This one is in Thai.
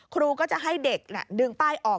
ครูก็จะให้เด็กดึงป้ายออก